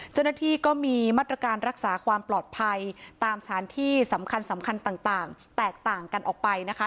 เจ้าหน้าที่ก็มีมาตรการรักษาความปลอดภัยตามสถานที่สำคัญสำคัญต่างแตกต่างกันออกไปนะคะ